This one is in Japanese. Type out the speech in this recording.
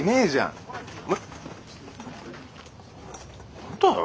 何だよ。